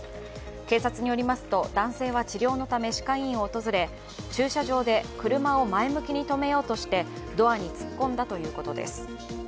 警察によりますと、男性は治療のため歯科医院を訪れ、駐車場で車を前向きに止めようとしてドアに突っ込んだということです。